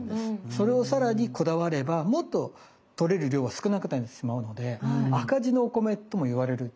それをさらにこだわればもっと取れる量は少なくなってしまうので赤字のお米ともいわれる。